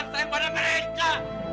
yang sayang pada mereka